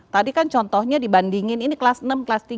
tadi kan contohnya dibandingin ini kelas enam kelas tiga